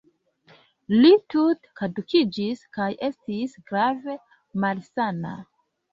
Li tute kadukiĝis kaj estis grave malsana.